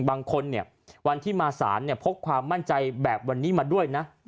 บางคนเนี่ยวันที่มาสารเนี่ยพกความมั่นใจแบบวันนี้มาด้วยนะ